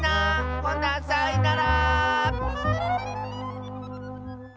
ほなさいなら！